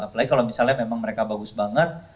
apalagi kalau misalnya memang mereka bagus banget